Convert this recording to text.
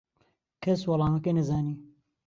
کەس وەڵامەکەی نەزانی.